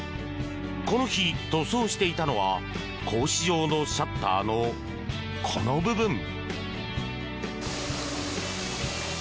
この日、塗装していたのは格子状のシャッターのこの部分。